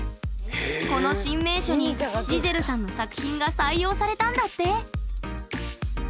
この新名所にジゼルさんの作品が採用されたんだって！